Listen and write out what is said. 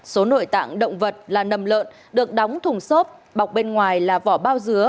số nội tạng động vật là nầm lợn được đóng thùng xốp bọc bên ngoài là vỏ bao dứa